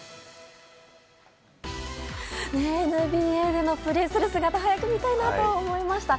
ＮＢＡでプレーする姿を早く見たいなと思いました。